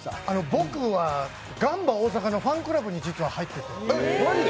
僕はガンバ大阪のファンクラブに実は入ってて。